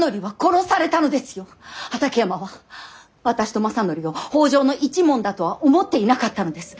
畠山は私と政範を北条の一門だとは思っていなかったのです。